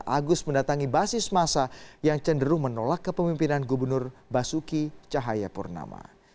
agus mendatangi basis masa yang cenderung menolak kepemimpinan gubernur basuki cahayapurnama